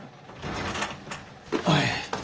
おい。